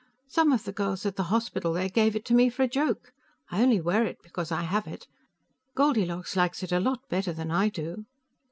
"Some of the girls at the hospital there gave it to me for a joke. I only wear it because I have it. Goldilocks likes it a lot better than I do."